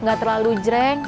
gak terlalu jreng